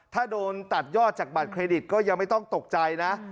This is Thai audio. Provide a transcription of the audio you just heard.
ถ้าโดนตัดยอดจากบัตรเครดิตก็ยังไม่ต้องตกใจนะ